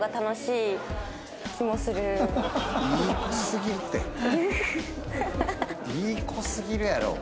いい子すぎるやろ。